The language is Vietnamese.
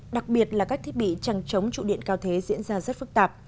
đặc biệt là các thiết bị chẳng chống trụ điện cao thế diễn ra rất phức tạp